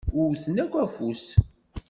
Wwten akk afus.